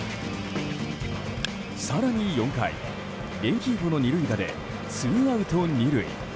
更に４回、レンヒーフォの２塁打でツーアウト２塁。